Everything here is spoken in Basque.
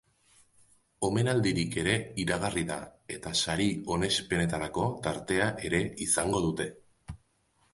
Omenaldirik ere iragarri da eta sari eta onespenetarako tartea ere izango dute.